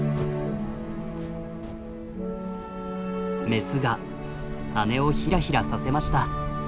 メスが羽をひらひらさせました。